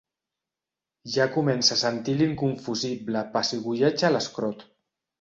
Ja comença a sentir l'inconfusible pessigolleig a l'escrot.